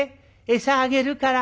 餌あげるから」。